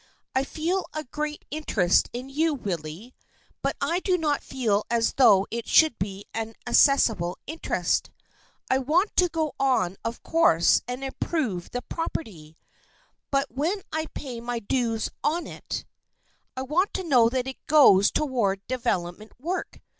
I feel a great interest in you, Willie, but I do not feel as though it should be an assessable interest. I want to go on of course and improve the property, but when I pay my dues on it, I want to know that it goes toward development work.